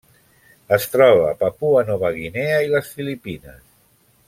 Es troba a Papua Nova Guinea i les Filipines.